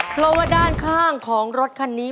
เพราะว่าด้านข้างของรถคันนี้